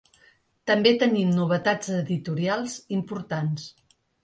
També tenim novetats editorials importants.